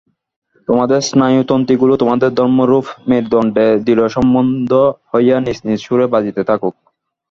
তোমাদের স্নায়ুতন্ত্রীগুলি তোমাদের ধর্মরূপ মেরূদণ্ডে দৃঢ়সম্বন্ধ হইয়া নিজ নিজ সুরে বাজিতে থাকুক।